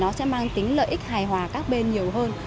nó sẽ mang tính lợi ích hài hòa các bên nhiều hơn